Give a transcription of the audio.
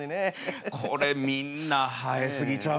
これみんな生え過ぎちゃう？